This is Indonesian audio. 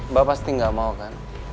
mbak pasti gak mau kan